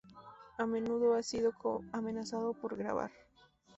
A menudo ha sido amenazado por grabar.